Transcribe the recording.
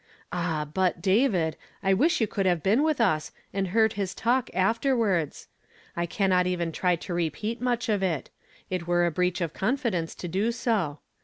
Ah, hilt, David, I wish you could have been with us,' and heard his talk afterwards! I cannot even tiy to repeat much of it; it were a breach of con ridcnce to do so.